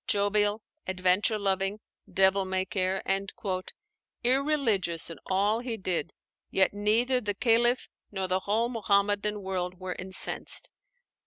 "Jovial, adventure loving, devil may care," irreligious in all he did, yet neither the Khalif nor the whole Muhammadan world were incensed.